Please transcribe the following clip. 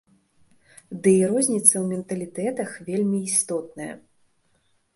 Ды і розніца ў менталітэтах вельмі істотная.